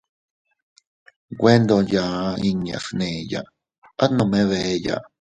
Nwe ndo yaa inña gneya, at nome beeya.